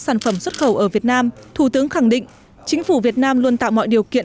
sản phẩm xuất khẩu ở việt nam thủ tướng khẳng định chính phủ việt nam luôn tạo mọi điều kiện